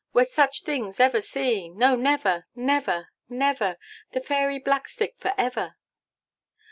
'Were such things ever seen?' 'No, never, never, never!' 'The Fairy Blackstick for ever!